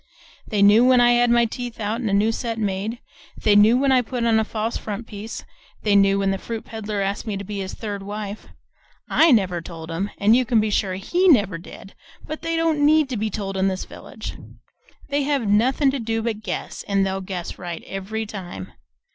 They knew when I had my teeth out and a new set made; they knew when I put on a false front piece; they knew when the fruit peddler asked me to be his third wife I never told 'em, an' you can be sure HE never did, but they don't NEED to be told in this village; they have nothin' to do but guess, an' they'll guess right every time.